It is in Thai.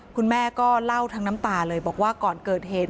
คุณแม่ก็เล่าทั้งน้ำตาเลยบอกว่าก่อนเกิดเหตุ